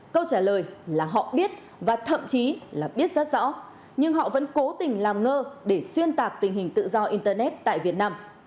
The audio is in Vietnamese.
câu trả lời là họ biết và thậm chí là biết rất rõ nhưng họ vẫn cố tình làm ngơ để xuyên tạc tình hình tự do internet tại việt nam